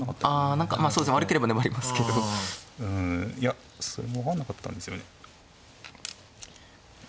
あ何かそうですね悪ければでもありますけど。うんいやそれも分かんなかったんですよね。